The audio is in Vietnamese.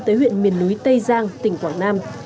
tới huyện miền núi tây giang tỉnh quảng nam